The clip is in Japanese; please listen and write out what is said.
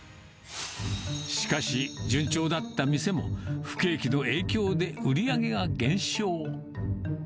しかし、順調だった店も、不景気の影響で売り上げが減少。